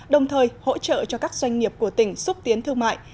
đồng thời hỗ trợ cho các doanh nghiệp của tỉnh xúc tiến thương mại